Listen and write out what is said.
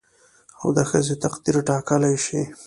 او د ښځې تقدير ټاکلى شي